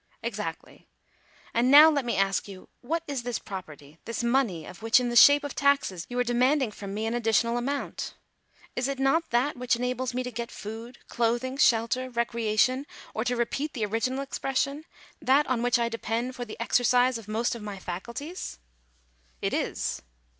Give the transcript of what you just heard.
" Exactly. And now let me ask what is this property, this money, of which in the shape of taxes you are demanding from me an additional amount ? Is it not that which enables me to get food, clothing, shelter, recreation, or, to repeat the origi ginal expression — that on which I depend for the exercise of most of my faculties ?" Digitized by VjOOQIC 278 THE LIMIT OF STATE DUTY. "It is."